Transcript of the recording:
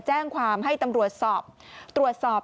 แจ้งความให้ตำรวจสอบตรวจสอบ